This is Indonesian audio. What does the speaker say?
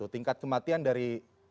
tingkat kematian dari